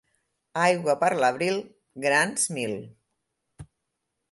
Aigua per l'abril, grans mil.